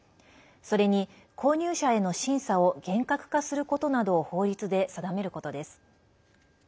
それに、購入者への審査を厳格化することなどを法律で定めることです。